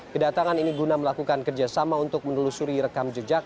kedatangan ini guna melakukan kerjasama untuk menelusuri rekam jejak